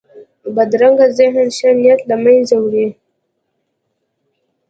بدرنګه ذهن ښه نیت له منځه وړي